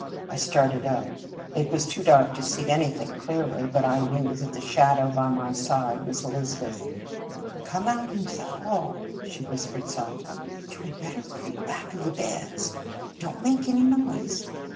I started up. It was too dark to see anything clearly, but I knew that the shadow by my side was Elizabeth. "Come out into the hall," she whis pered softly. " You had better creep back of the beds. Don t make any noise!"